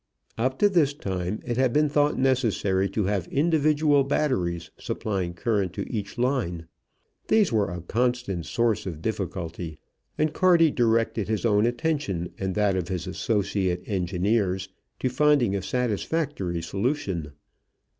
Up to this time it had been thought necessary to have individual batteries supplying current to each line. These were a constant source of difficulty, and Carty directed his own attention, and that of his associate engineers, to finding a satisfactory solution.